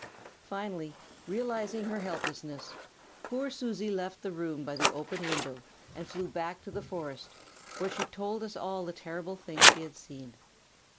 "Finally, realizing her helplessness, poor Susie left the room by the open window and flew back to the forest, where she told us all the terrible thing she had seen.